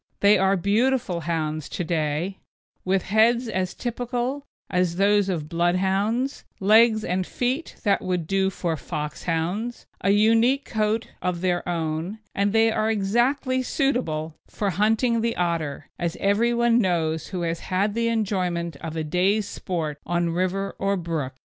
They are beautiful hounds to day, with heads as typical as those of Bloodhounds, legs and feet that would do for Foxhounds, a unique coat of their own, and they are exactly suitable for hunting the otter, as everyone knows who has had the enjoyment of a day's sport on river or brook.